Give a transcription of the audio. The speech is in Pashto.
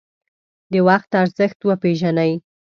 د وخت ارزښت وپیژنئ